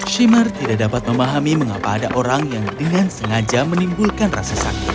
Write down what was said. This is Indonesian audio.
shimer tidak dapat memahami mengapa ada orang yang dengan sengaja menimbulkan rasa sakit